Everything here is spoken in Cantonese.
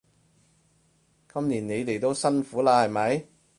今年你哋都辛苦喇係咪？